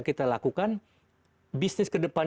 kita lakukan bisnis ke depan